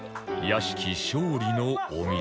屋敷勝利のお水